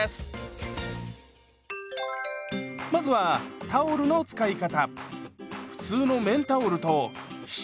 まずはタオルの使い方。